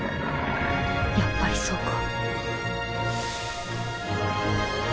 やっぱりそうか。